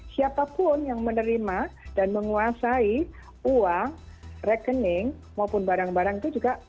siapapun yang menerima dan menguasai uang rekening maupun barang barang itu juga